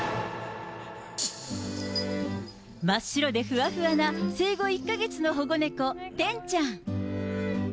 真っ白でふわふわな生後１か月の保護猫、てんちゃん。